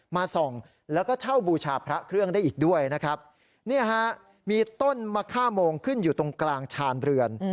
มาส่องแล้วก็เช่าบูชาพระเครื่องได้อีกด้วยนะครับเนี่ยฮะมีต้นมะค่าโมงขึ้นอยู่ตรงกลางชานเรือน